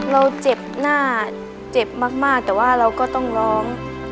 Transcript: เราเจ็บหน้าเจ็บมากแต่ว่าเราก็ต้องร้อง